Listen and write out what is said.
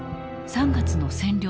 ３月の占領